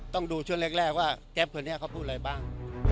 ต้องดูช่วงแรกว่าแก๊ปคนนี้เขาพูดอะไรบ้าง